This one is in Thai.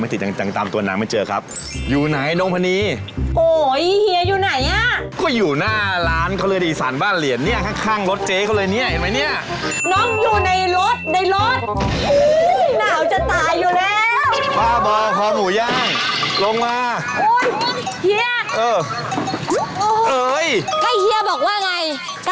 ทำไมจะไปรูปาซื่อหน่อยรถ